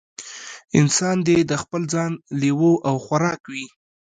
انسان دې د خپل ځان لېوه او خوراک وي.